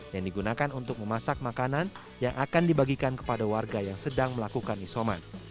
yang digunakan untuk memasak makanan yang akan dibagikan kepada warga yang sedang melakukan isoman